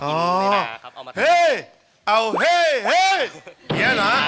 ออกไป